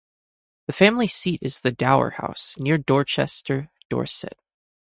The family seat is The Dower House, near Dorchester, Dorset.